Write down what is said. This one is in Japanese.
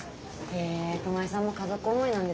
へえ熊井さんも家族思いなんですね。